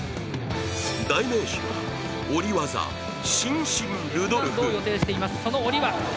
代名詞は下り技、伸身ルドルフ。